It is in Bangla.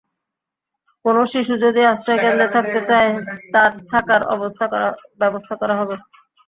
কোনো শিশু যদি আশ্রয়কেন্দ্রে থাকতে চায়, তার থাকার ব্যবস্থা করা হবে।